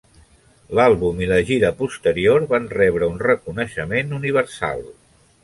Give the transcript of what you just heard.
L'àlbum i la gira posterior van rebre un reconeixement universal.